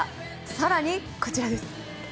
更に、こちらです。